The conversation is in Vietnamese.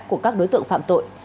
của các đối tượng phạm tội